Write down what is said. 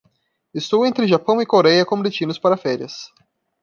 Estou entre Japão e Coreia como destinos para férias.